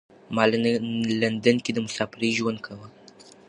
ما لندن کې د مسافرۍ ژوند کاوه.